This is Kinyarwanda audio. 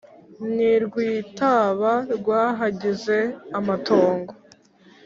n'i rwitaba rwahagize amatongo.